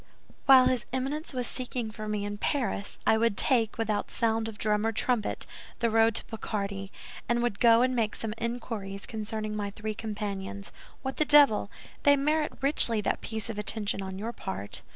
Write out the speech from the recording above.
"While his Eminence was seeking for me in Paris, I would take, without sound of drum or trumpet, the road to Picardy, and would go and make some inquiries concerning my three companions. What the devil! They merit richly that piece of attention on your part."